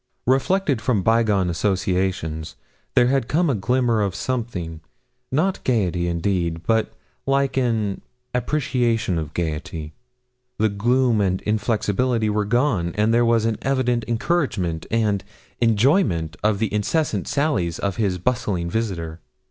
Reflected from bygone associations, there had come a glimmer of something, not gaiety, indeed, but like an appreciation of gaiety. The gloom and inflexibility were gone, and there was an evident encouragement and enjoyment of the incessant sallies of his bustling visitor.